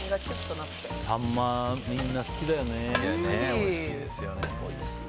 おいしいですよね。